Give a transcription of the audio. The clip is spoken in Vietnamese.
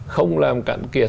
không làm cạn kiệt